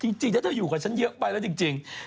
จริงถ้าเธออยู่กับฉันเยอะไปแล้วจริง